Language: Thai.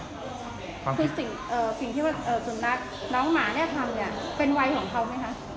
คือสิ่งที่สุนัขน้องหมาเนี่ยทำเนี่ยเป็นวัยของเขาไหมคะ